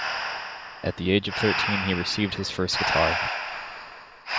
At the age of thirteen he received his first guitar.